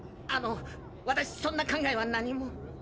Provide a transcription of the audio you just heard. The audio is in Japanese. あの私そんな考えは何も。